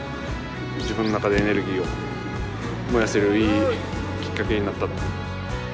自分の中でエネルギーを燃やせるいいきっかけになった。